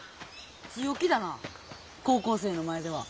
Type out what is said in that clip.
強気だな高校生の前では。